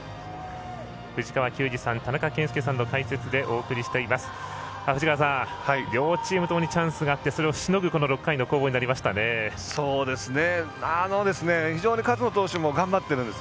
藤川球児さん田中賢介さんの解説でお送りしています。